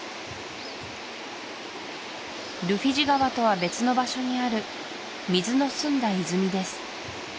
ルフィジ川とは別の場所にある水の澄んだ泉です